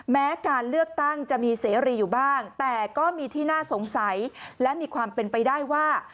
แม้การเลือกตั้งจะมีเสรีอยู่บ้างแต่ก็มีที่น่าสงสัยและมีความเป็นไปได้ว่า